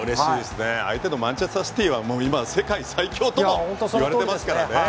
相手のマンチェスター・シティーはもう今世界最強といわれてますから。